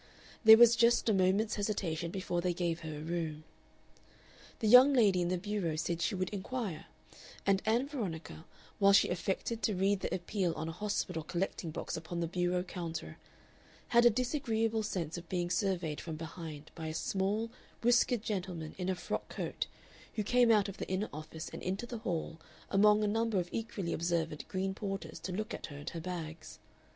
There was just a minute's hesitation before they gave her a room. The young lady in the bureau said she would inquire, and Ann Veronica, while she affected to read the appeal on a hospital collecting box upon the bureau counter, had a disagreeable sense of being surveyed from behind by a small, whiskered gentleman in a frock coat, who came out of the inner office and into the hall among a number of equally observant green porters to look at her and her bags.